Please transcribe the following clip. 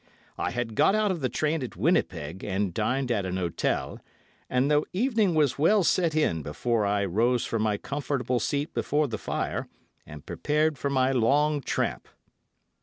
"I had got out of the train at Winnipeg, and dined at an hotel, and the evening was well set in before I rose from my comfortable seat before the fire and prepared for my long tramp.